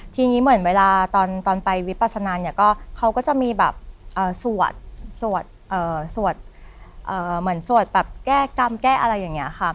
ทีนี้เหมือนเวลาตอนไปวิปสนานเขาก็จะมีแบบสวดแก้กรรมแก้อะไรอย่างนี้ค่ะ